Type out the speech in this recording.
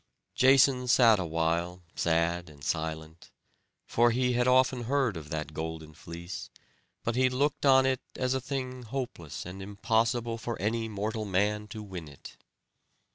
Jason sat awhile, sad and silent; for he had often heard of that golden fleece; but he looked on it as a thing hopeless and impossible for any mortal man to win it.